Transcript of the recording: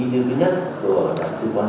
đây là một cái việc